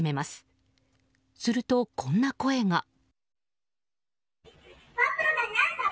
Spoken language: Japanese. すると、こんな声が。